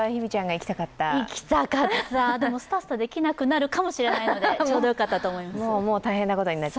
行きたかった、でもすたすたできなくなるかもしれないのでちょうどよかったと思います。